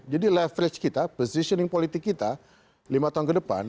jadi leverage kita positioning politik kita lima tahun ke depan